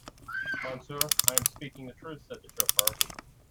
"Monsieur, I am speaking the truth," said the chauffeur.